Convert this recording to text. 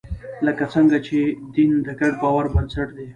لکه څنګه چې دین د ګډ باور بنسټ دی.